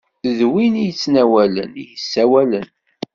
D win i yettnawalen i yessawalen.